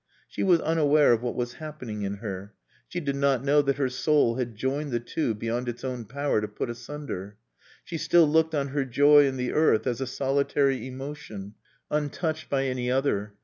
She was unaware of what was happening in her. She did not know that her soul had joined the two beyond its own power to put asunder. She still looked on her joy in the earth as a solitary emotion untouched by any other.